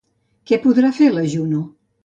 Què podrà fer la Juno?